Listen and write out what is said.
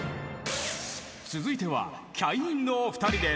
続いてはキャインのお二人です。